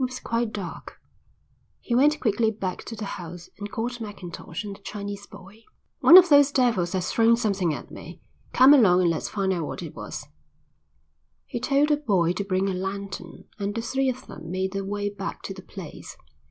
It was quite dark. He went quickly back to the house and called Mackintosh and the Chinese boy. "One of those devils has thrown something at me. Come along and let's find out what it was." He told the boy to bring a lantern and the three of them made their way back to the place.